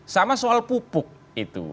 sama soal pupuk itu